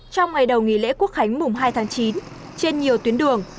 trong ngày đầu nghỉ lễ quốc khánh mùng hai tháng chín trên nhiều tuyến đường